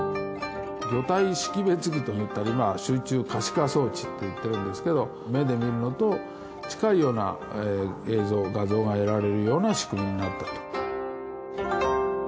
魚体識別器と言ったりまあ水中可視化装置って言ってるんですけど目で見るのと近いような映像画像が得られるような仕組みになったと。